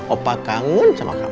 opa kangen sama kamu